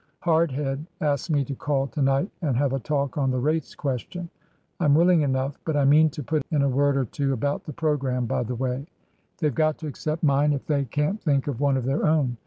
Hardhead asked me to call to night and have a talk on the Rates question ; Tm willing enough, but I mean to put in a word or two about the Programme by the way. They've got to accept mine if they can't think of one of their own.